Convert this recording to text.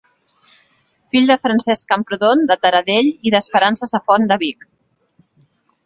Fill de Francesc Camprodon de Taradell i d'Esperança Safont de Vic.